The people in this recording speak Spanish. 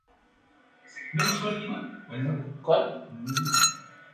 Este fue el último periódico anarquista en yiddish del mundo.